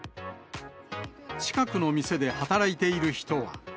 近くの店で働いている人は。